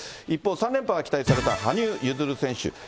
一方、３連覇が期待された羽生結弦選手。